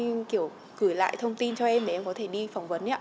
em kiểu gửi lại thông tin cho em để em có thể đi phỏng vấn nhé